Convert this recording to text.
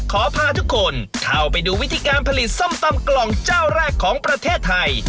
ขอพาทุกคนเข้าไปดูวิธีการผลิตส้มตำกล่องเจ้าแรกของประเทศไทย